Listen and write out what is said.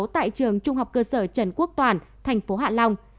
tại trường trung học cơ sở trần quốc toàn thành phố hạ long